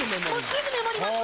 すぐメモります。